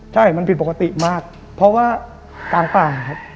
ใช่มันผิดปกติมากเพราะว่ากลางป่าครับ